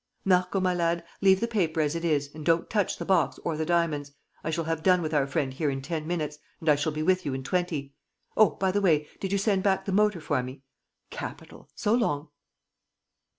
Marco, my lad, leave the paper as it is and don't touch the box or the diamonds. I shall have done with our friend here in ten minutes and I shall be with you in twenty. ... Oh, by the way, did you send back the motor for me? Capital! So long!"